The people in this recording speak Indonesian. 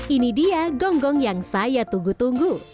ini dia gonggong yang saya tunggu tunggu